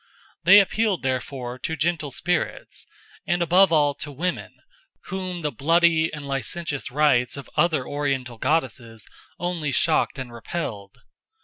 They appealed therefore to gentle spirits, and above all to women, whom the bloody and licentious rites of other Oriental goddesses only shocked and repelled.